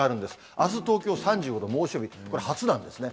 あす東京３５度、猛暑日、これ、初なんですね。